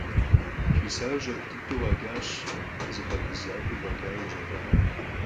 Хисар щӀэх дыдэу къэкӀащ, зы хъэрбыз закъуэ фӀэкӀаи къыщӀэкӀакъым.